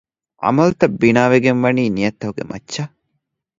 ޢަމަލުތައް ބިނާވެގެން ވަނީ ނިޔަތްތަކުގެ މައްޗަށް